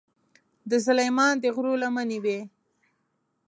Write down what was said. د سلیمان د غرو لمنې وې.